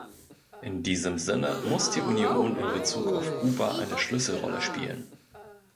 In diesem Sinne muss die Union in Bezug auf Kuba eine Schlüsselrolle spielen.